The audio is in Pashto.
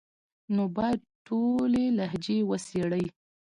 نو بايد ټولي لهجې وڅېړي،